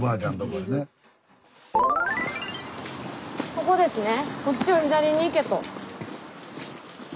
ここですね。